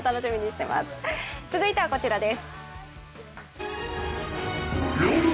続いてはこちらです。